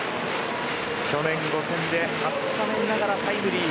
去年５戦で初スタメンながらタイムリー。